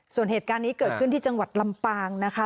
ส่วนเหตุการณ์นี้เกิดขึ้นที่จังหวัดลำปางนะคะ